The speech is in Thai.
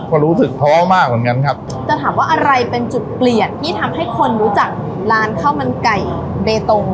ก็รู้สึกท้อมากเหมือนกันครับจะถามว่าอะไรเป็นจุดเปลี่ยนที่ทำให้คนรู้จักร้านข้าวมันไก่เบตง